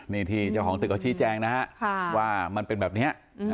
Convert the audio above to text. นี่ที่เจ้าของตึกเขาชี้แจงนะฮะว่ามันเป็นแบบนี้